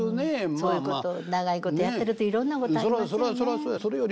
そういうこと長いことやってるといろんなことありますよね。